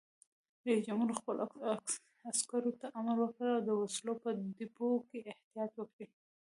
رئیس جمهور خپلو عسکرو ته امر وکړ؛ د وسلو په ډیپو کې احتیاط وکړئ!